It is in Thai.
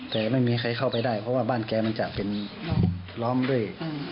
แต่ไม่มีใครเข้าไปได้เพราะว่าบ้านแกมันจะเป็นล้อมด้วย